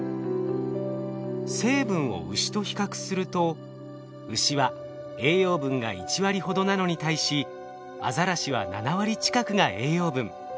成分をウシと比較するとウシは栄養分が１割ほどなのに対しアザラシは７割近くが栄養分。